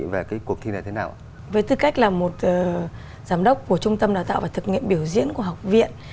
với tư cách là một giám đốc của trung tâm đào tạo và thực nghiệm biểu diễn của học viện